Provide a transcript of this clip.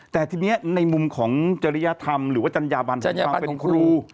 แต่ทีนี้ในมุมของจริยธรรมหรือว่าจัญญาบันของความเป็นครู